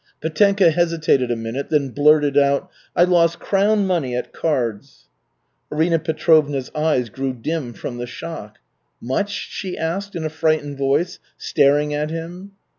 Petenka hesitated a minute, then blurted out: "I lost crown money at cards." Arina Petrovna's eyes grew dim from the shock. "Much?" she asked in a frightened voice, staring at him.